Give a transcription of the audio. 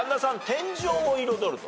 天井を彩ると。